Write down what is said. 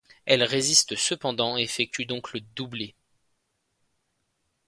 Elle résiste cependant et effectue donc le doublet.